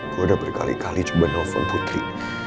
gue udah berkali kali coba novel putri